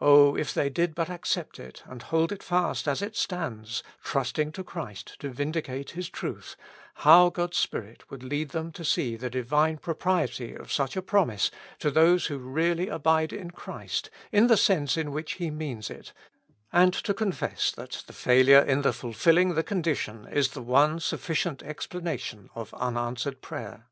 O if they did but accept it and hold it fast as it stands, trusting to Christ to vindicate His truth, how God's Spirit would lead them to see the Divine propriety of such a promise to those who really abide in Christ in the sense in which He means it, and to confess that the failure in the fulfilling the condition is the one suf ficient explanation of unanswered prayer.